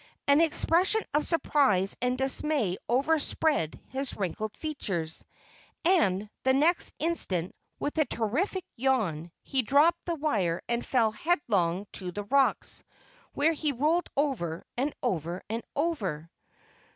An expression of surprise and dismay overspread his wrinkled features, and next instant, with a terrific yawn, he dropped the wire and fell headlong to the rocks, where he rolled over and over and over.